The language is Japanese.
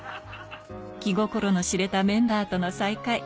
気心の知れたメンバーとの再会。